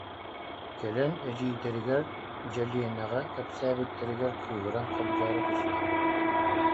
Кэлэн эдьиийдэригэр Дьэлиэнэҕэ кэпсээбиттэригэр кыыһыран хобдьооро түстэ: